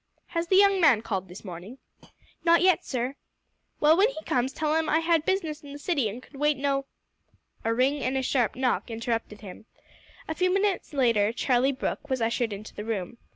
"Has the young man called this morning?" "Not yet, sir." "Well, when he comes tell him I had business in the city and could wait no " A ring and a sharp knock interrupted him. A few moments later Charlie Brooke was ushered into the room.